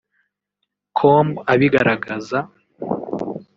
com abigaragaza